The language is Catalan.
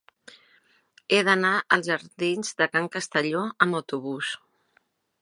He d'anar als jardins de Can Castelló amb autobús.